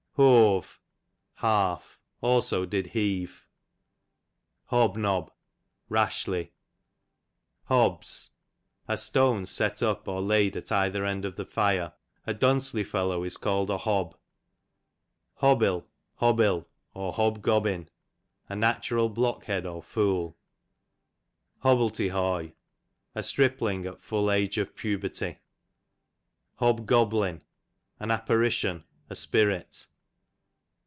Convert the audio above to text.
Hoave, half ; also did heave. Hob nob, rashly. Hobs, are stones set up, or laid at either end of the fire, a duncely fellow is call'd a hob. Hobbil, \a natural blockhead, Hobgobbin,) or fool. Hobble te hoy, a stripling at full age of puberty. Hobgoblin, an apparition, a spirit.